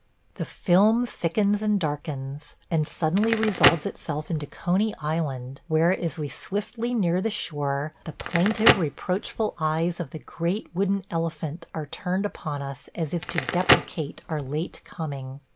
The film thickens and darkens, and suddenly resolves itself into Coney Island, where, as we swiftly near the shore, the plaintive reproachful eyes of the great wooden elephant are turned upon us as if to deprecate our late coming.